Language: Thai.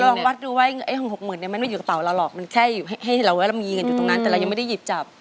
ลองวัดดูว่าไอ้ของหกหมื่นเนี่ยมันไม่อยู่กระเป๋าเราหรอกมันแค่ให้เราไว้เรามีเงินอยู่ตรงนั้นแต่เรายังไม่ได้หยิบจับ